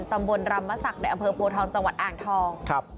ตำบลรำมสักแดดอำเภอโพทองจังหวัดอ่างทอง